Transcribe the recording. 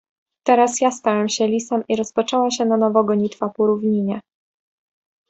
"Teraz ja stałem się lisem i rozpoczęła się na nowo gonitwa po równinie."